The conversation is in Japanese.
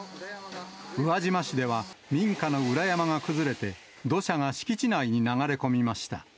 宇和島市では民家の裏山が崩れて、土砂が敷地内に流れ込みました。